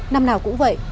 năm nào cũng vậy